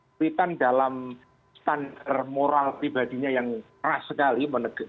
puritan dalam standar moral pribadinya yang terasa sekali